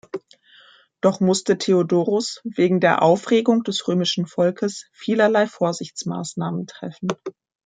Doch musste Theodorus wegen der Aufregung des römischen Volkes vielerlei Vorsichtsmaßnahmen treffen.